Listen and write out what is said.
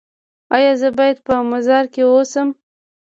ایا زه باید په مزار کې اوسم؟